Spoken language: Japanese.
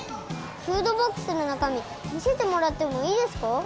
フードボックスのなかみみせてもらってもいいですか？